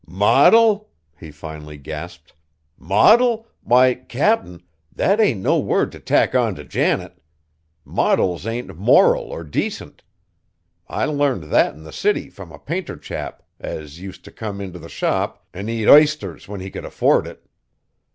"Modil?" he finally gasped, "modil? Why, Cap'n, that ain't no word t' tack ont' Janet. Modils ain't moral or decint. I learned that in th' city from a painter chap as use t' come in t' the shop an' eat isters when he could afford it."